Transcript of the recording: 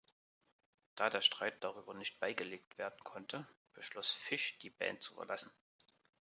Da der Streit darüber nicht beigelegt werden konnte, beschloss Fish, die Band zu verlassen.